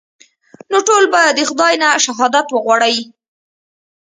نو ټول به د خداى نه شهادت وغواړئ.